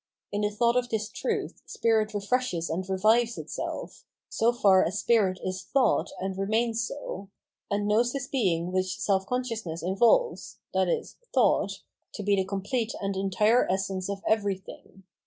In the thought of this truth spirit refreshes and revives itself (so far as spirit is thought and remains so), and knows this being which self Absolute Freedom and Terror 605 consciousness involves [viz. thought] to be the complete and entire essence of everything.